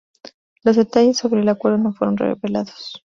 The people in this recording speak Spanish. Los detalles sobre el acuerdo no fueron revelados.